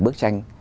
đã được đặt ra